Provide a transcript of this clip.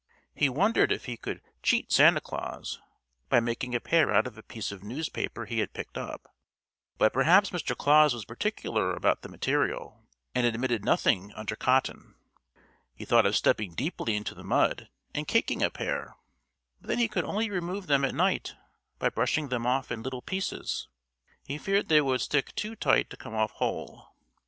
He wondered if he could cheat Santa Claus by making a pair out of a piece of newspaper he had picked up. But perhaps Mr. Claus was particular about the material and admitted nothing under cotton. He thought of stepping deeply into the mud and caking a pair, but then he could only remove them at night by brushing them off in little pieces; he feared they would stick too tight to come off whole.